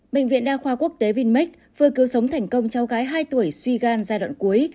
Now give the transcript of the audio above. bệnh viện đa khoa quốc tế vinmec vừa cứu sống thành công cháu gái hai tuổi suy gan giai đoạn cuối